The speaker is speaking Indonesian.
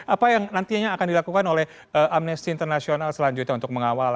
apa yang nantinya akan dilakukan oleh amnesty international selanjutnya untuk mengawal